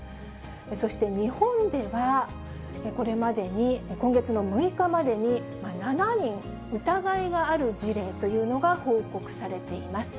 そして日本ではこれまでに、今月の６日までに７人、疑いがある事例というのが報告されています。